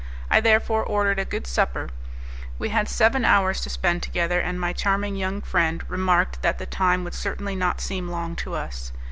I therefore ordered a good supper. We had seven hours to spend together, and my charming young friend remarked that the time would certainly not seem long to us.